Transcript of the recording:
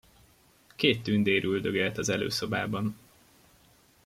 Két tündér üldögélt az előszobában.